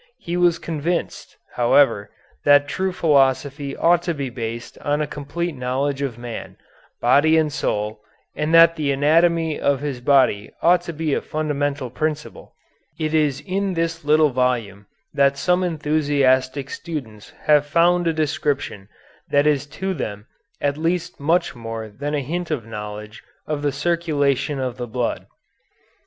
He was convinced, however, that true philosophy ought to be based on a complete knowledge of man, body and soul, and that the anatomy of his body ought to be a fundamental principle. It is in this little volume that some enthusiastic students have found a description that is to them at least much more than a hint of knowledge of the circulation of the blood.